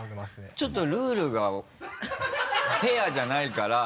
ちょっとルールがフェアじゃないから。